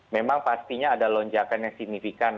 memang pastinya ada lonjakan yang signifikan